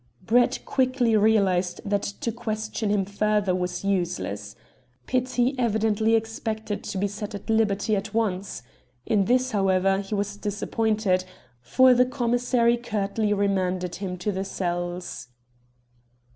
Brett quickly realized that to question him further was useless. Petit evidently expected to be set at liberty at once. In this, however, he was disappointed, for the commissary curtly remanded him to the cells.